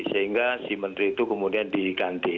sehingga si menteri itu kemudian diganti